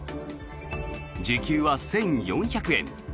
時給は１４００円。